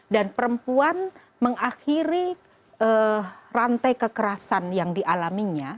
dan perempuan mengakhiri rantai kekerasan yang dialaminya